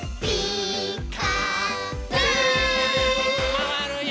まわるよ。